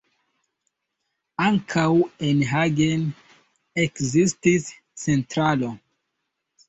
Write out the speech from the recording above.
Ankaŭ en Hagen ekzistis centralo.